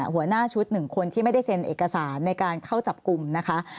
หัวหน้าชุดหนึ่งคนที่ไม่ได้เซ็นเอกสารในการเข้าจับกลุ่มนะคะ